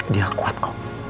dia kuat kok